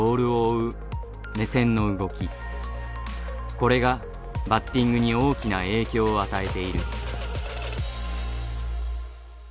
これがバッティングに大きな影響を与えている。